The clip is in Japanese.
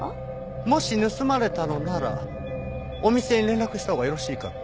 もし盗まれたのならお店に連絡したほうがよろしいかと。